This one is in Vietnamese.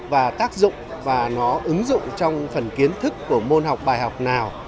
và tác dụng và nó ứng dụng trong phần kiến thức của môn học bài học nào